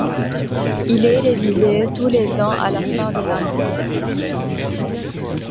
Il est révisé tous les ans à la fin de l'année.